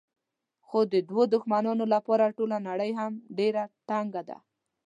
خو د دوو دښمنانو لپاره ټوله نړۍ هم ډېره تنګه ده.